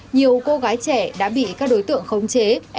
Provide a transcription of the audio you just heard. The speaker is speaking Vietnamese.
nhiều cô gái trẻ đã bị các đối tượng khống chế